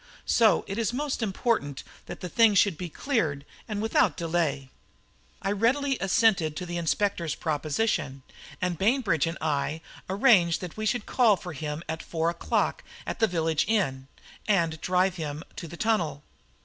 So it is most important that the thing should be cleared, and without delay." I readily assented to the inspector's proposition, and Bainbridge and I arranged that we should call for him at four o'clock at the village inn and drive him to the tunnel.